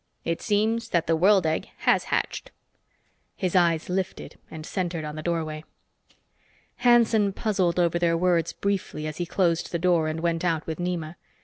It seems that the world egg has hatched." His eyes lifted and centered on the doorway. Hanson puzzled over their words briefly as he closed the door and went out with Nema.